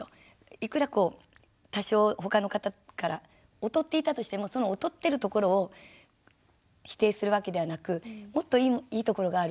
いくら多少他の方から劣っていたとしてもその劣ってるところを否定するわけではなくもっといいところがある。